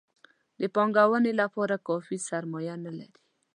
د پانګونې لپاره کافي سرمایه نه لري.